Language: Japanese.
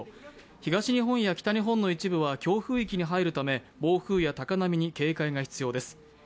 東日本や北日本の一部は強風域に入るため暴風や高波に警戒が必要です。